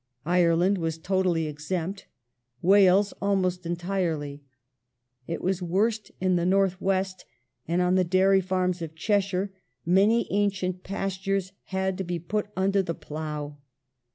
Ireland was totally exempt ; Wales al most entirely ; it was worst in the North West, and on the dairy farms of Cheshire many ancient pastures had to be put under the plough.